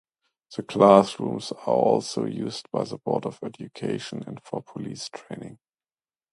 The classrooms are also used by the Board of Education and for police training.